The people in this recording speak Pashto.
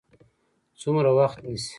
څومره وخت نیسي؟